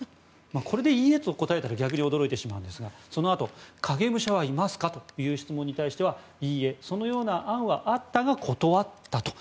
これでいいえと答えたら逆に驚いてしまうんですがそのあと、影武者はいますか？という質問に対してはいいえ、そのような案はあったが断ったと。